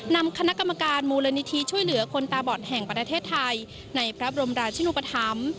นำคณะกรรมการมูลนิธิช่วยเหลือคนตาบอดแห่งประเทศไทยในพระบรมราชินุปธรรม